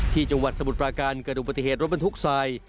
จังหวัดสมุทรปราการเกิดอุบัติเหตุรถบรรทุกทราย